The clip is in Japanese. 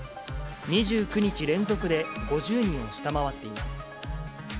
２９日連続で５０人を下回っています。